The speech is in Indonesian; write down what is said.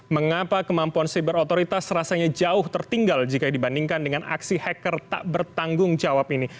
mengapa kemampuan siber otoritas rasanya jauh tertinggal jika dibandingkan dengan aksi hacker tak bertanggung jawab ini